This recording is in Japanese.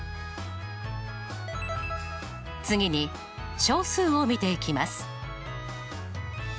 次に小数を見ていきます。